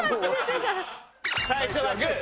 最初はグー！